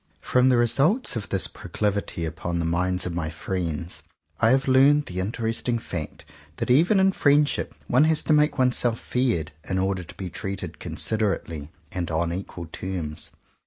From the results of this proclivity upon the minds of my friends, I have learned the interesting fact that even in friendship one has to make oneself feared in order to be treated considerately and on equal terms.